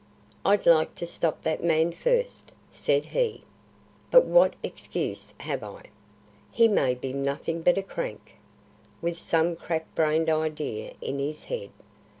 "I'd like to stop that man first," said he. "But what excuse have I? He may be nothing but a crank, with some crack brained idea in his head.